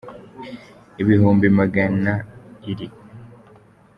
ibihumbi magana iri